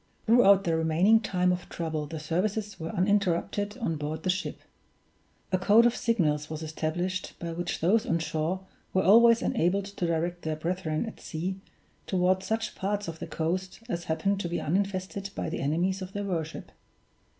Throughout the remaining time of trouble the services were uninterrupted on board the ship. A code of signals was established by which those on shore were always enabled to direct their brethren at sea toward such parts of the coast as happened to be uninfested by the enemies of their worship.